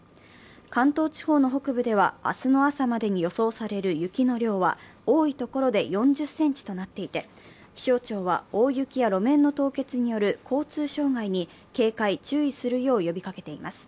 関東地方の北部では明日の朝までに予想される雪の量は多い所４０ｃｍとなっていて気象庁は大雪や路面の凍結による交通障害に警戒・注意するよう呼びかけています。